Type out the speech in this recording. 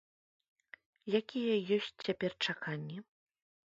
Якія ёсць цяпер чаканні?